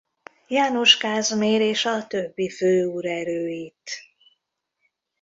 János Kázmér és a többi főúr erőit.